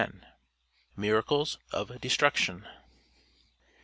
MIRACLES OF DESTRUCTION.